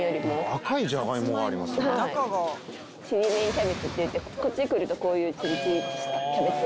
キャベツっていってこっち来るとこういうチリチリってしたキャベツ。